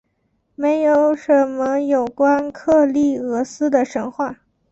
没有什么有关克利俄斯的神话。